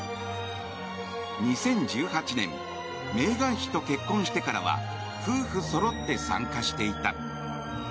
２０１８年メーガン妃と結婚してからは夫婦そろって参加していた。